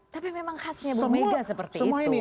tapi memang khasnya bu mega seperti itu ya